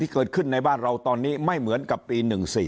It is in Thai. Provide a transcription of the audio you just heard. เกิดขึ้นในบ้านเราตอนนี้ไม่เหมือนกับปี๑๔